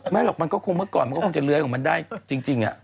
หรอกมันก็คงเมื่อก่อนมันก็คงจะเลื้อยของมันได้จริง